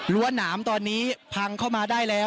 รั้วน้ำตอนนี้พังเข้ามาได้แล้ว